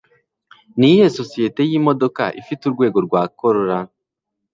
Niyihe sosiyete yimodoka ifite urwego rwa Corolla